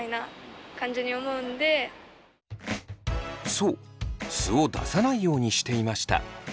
そう素を出さないようにしていました。